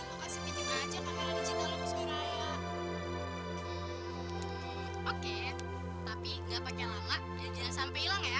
lo kasih pinjem aja kamera digital lo keseluruhannya ya